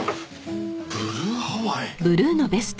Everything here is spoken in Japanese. ブルーハワイ。